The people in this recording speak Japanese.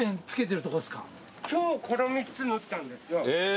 今日この３つ縫ったんですよ。